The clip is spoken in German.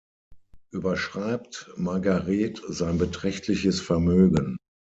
Überschreibt Margaret sein beträchtliches Vermögen.